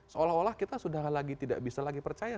seolah olah kita sudah tidak bisa lagi percaya